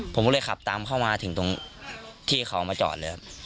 ผมก็เลยขับตามเข้ามาถึงตรงที่เขามาจอดเลยครับ